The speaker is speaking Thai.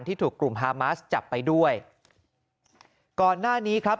ถูกกลุ่มฮามาสจับไปด้วยก่อนหน้านี้ครับ